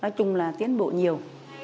nói chung là tiến bộ nhiều